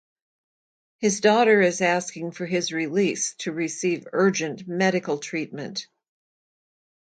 His daughter is asking for his release to receive urgent medical treatment.